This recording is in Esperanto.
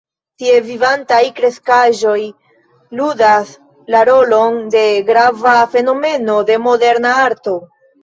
Tie vivantaj kreskaĵoj ludas la rolon de grava fenomeno de moderna arto.